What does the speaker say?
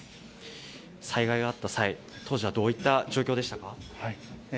災害があった際、当時はどういった状況ですか。